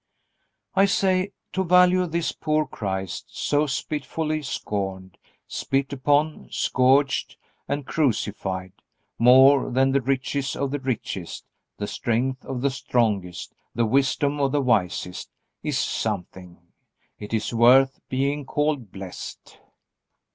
I say, to value this poor Christ, so spitefully scorned, spit upon, scourged, and crucified, more than the riches of the richest, the strength of the strongest, the wisdom of the wisest, is something. It is worth being called blessed.